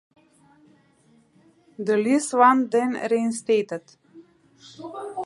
The lease was then reinstated.